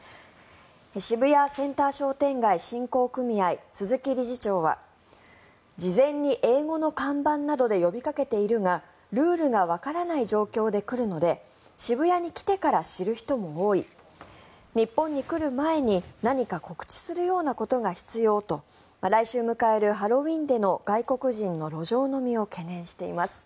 渋谷センター商店街振興組合鈴木理事長は事前に英語の看板などで呼びかけているがルールがわからない状況で来るので渋谷に来てから知る人も多い日本に来る前に何か告知するようなことが必要と来週迎えるハロウィーンでの外国人の路上飲みを懸念しています。